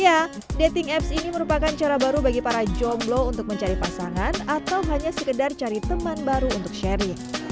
ya dating apps ini merupakan cara baru bagi para jomblo untuk mencari pasangan atau hanya sekedar cari teman baru untuk sharing